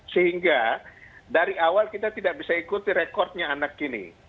sehingga dari awal kita tidak bisa ikuti rekodnya anak ini